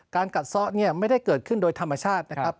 กัดซ้อเนี่ยไม่ได้เกิดขึ้นโดยธรรมชาตินะครับ